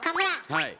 はい。